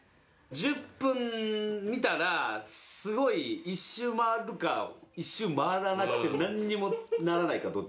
１０分見たらすごい一周回るか一周回らなくてなんにもならないかどっちか。